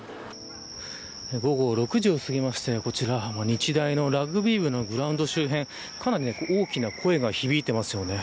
午後６時を過ぎましてこちら、日大のラグビー部のグラウンド周辺かなり大きな声が響いていますよね。